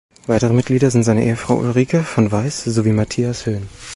Weitere Mitglieder sind seine Ehefrau Ulrike von Weiß sowie Matthias Höhn.